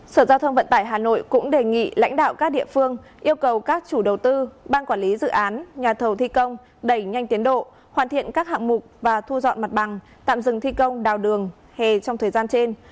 sở giao thông vận tải hà nội cũng đề nghị lãnh đạo các địa phương yêu cầu các chủ đầu tư ban quản lý dự án nhà thầu thi công đẩy nhanh tiến độ hoàn thiện các hạng mục và thu dọn mặt bằng tạm dừng thi công đào đường hề trong thời gian trên